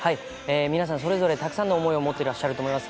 皆さん、それぞれたくさんの思いを持ってらっしゃると思います。